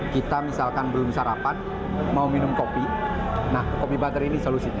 kita misalkan belum sarapan mau minum kopi nah kopi butter ini solusinya